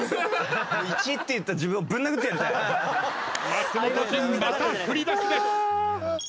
松本潤また振り出しです。